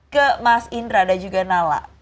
ke mas indra dan juga nala